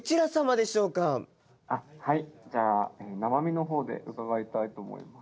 あっはいじゃあ生身のほうで伺いたいと思います。